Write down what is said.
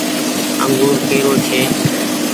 انگور ڪي رو ڇي ۔